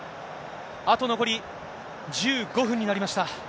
あと残り１５分になりました。